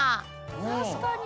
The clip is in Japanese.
確かに。